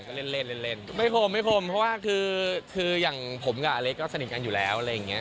ก็เล่นเล่นไม่คมไม่คมเพราะว่าคืออย่างผมกับอเล็กก็สนิทกันอยู่แล้วอะไรอย่างเงี้